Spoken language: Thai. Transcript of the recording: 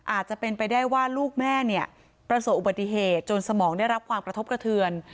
อาจจะเป็นไปได้ว่าลูกแม่เนี่ยประสบอุบัติเหตุจนสมองได้รับความกระทบกระเทือน